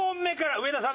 上田さん